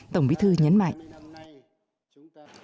tổng bí thư nhấn mạnh